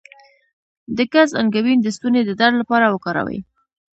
د ګز انګبین د ستوني د درد لپاره وکاروئ